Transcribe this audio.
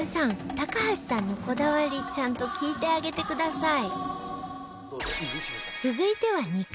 高橋さんのこだわりちゃんと聞いてあげてください